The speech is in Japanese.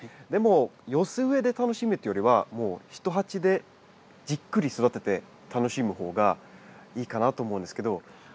でも寄せ植えで楽しむというよりはもうひと鉢でじっくり育てて楽しむ方がいいかなと思うんですけど。